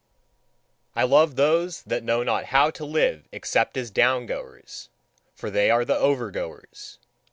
I love those that know not how to live except as down goers, for they are the over goers.